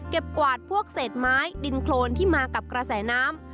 กวาดพวกเศษไม้ดินโครนที่มากับกระแสน้ำ